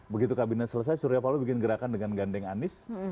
begitu kabinet selesai surya paloh bikin gerakan dengan gandeng anies